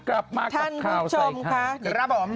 กลับมากกับข่าวใส่ค่ะท่านผู้ชมครับ